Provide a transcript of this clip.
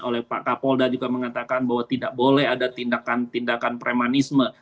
oleh pak kapolda juga mengatakan bahwa tidak boleh ada tindakan tindakan premanisme